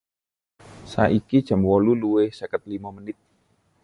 Saiki jam wolu luwih seket limo menit.